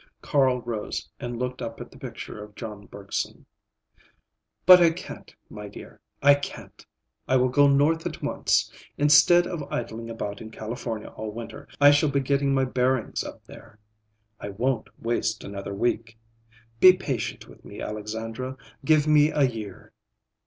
Carl rose and looked up at the picture of John Bergson. "But I can't, my dear, I can't! I will go North at once. Instead of idling about in California all winter, I shall be getting my bearings up there. I won't waste another week. Be patient with me, Alexandra. Give me a year!"